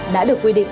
đã được quy định